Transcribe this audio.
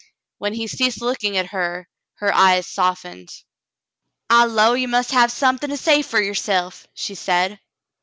When he ceased looking at her, her eyes softened. "I 'low ye mus' hev suthin' to say fer yourse'f," she said.